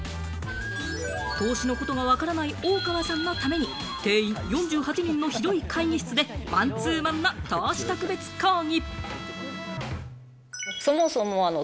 投資のことがわからない大川さんのために定員４８人の広い会議室でマンツーマンの投資特別講義。